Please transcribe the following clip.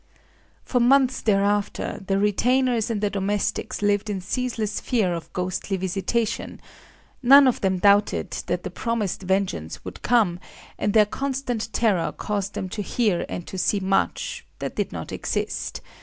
For months thereafter, the retainers and the domestics lived in ceaseless fear of ghostly visitation. None of them doubted that the promised vengeance would come; and their constant terror caused them to hear and to see much that did not exist.